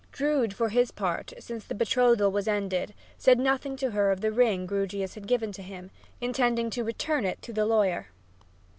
Drood, for his part, since the betrothal was ended, said nothing to her of the ring Grewgious had given to him, intending to return it to the lawyer.